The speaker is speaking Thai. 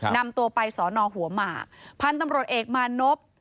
นำตัวไปสอนอหัวหมากพันธุ์ตำรวจเอกมานพ